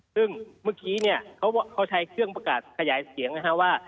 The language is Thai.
ซึ่งเมื่อกี้เนี่ยเขาใช้เครื่องประกาศขยายเสียงนะฮะว่า